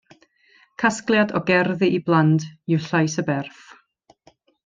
Casgliad o gerddi i blant yw Llais y Berth.